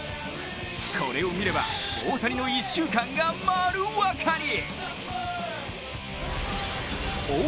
これを見れば、大谷の１週間が丸分かり！